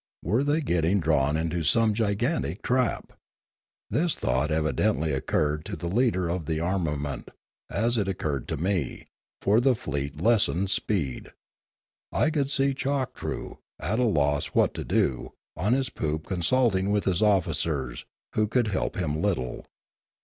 Were they getting drawn into some gigan tic trap? This thought evidently occurred to the leader of the armament, as it occurred to me, for the fleet lessened speed. I could see Choktroo, at a loss what to do, on his poop consulting with his officers, who could help him little.